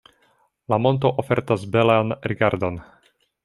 La monto ofertas belan rigardon.